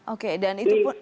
oke dan itu pun